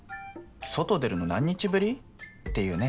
外出るの何日ぶり？っていうね。